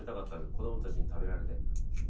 子供たちに食べられて。